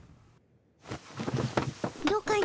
どうかの？